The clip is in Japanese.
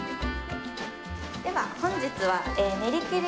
では本日は練り切り。